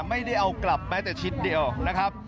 ไม่ได้เอากลับแม้แต่ชิดเดียวนะครับ